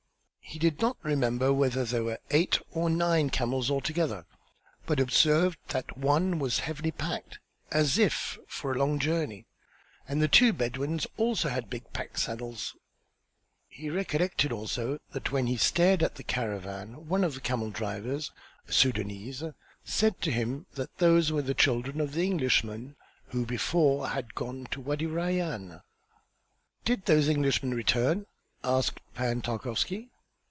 He did not remember whether there were eight or nine camels altogether, but observed that one was heavily packed as if for a long journey, and the two Bedouins also had big pack saddles. He recollected also that when he stared at the caravan one of the camel drivers, a Sudânese, said to him that those were the children of the Englishmen who before that had gone to Wâdi Rayân. "Did those Englishmen return?" asked Pan Tarkowski.